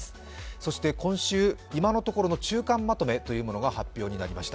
そして、今週、今のところの中間まとめが発表になりました。